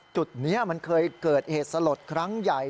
จุดนี้มันเคยเกิดเหตุสลดครั้งใหญ่